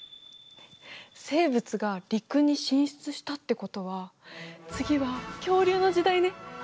生物が陸に進出したってことは次は恐竜の時代ね。